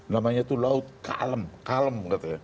namanya tuh laut kalem